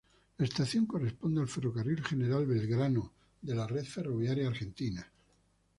La estación corresponde al Ferrocarril General Belgrano de la red ferroviaria argentina.